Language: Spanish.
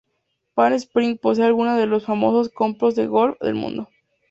Palm Springs posee algunos de los más famosos campos de golf del mundo.